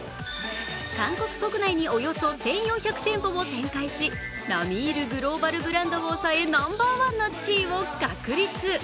韓国国内におよそ１４００店舗を展開し並みいるグローバルブランドを抑え、ナンバーワンの地位を確立。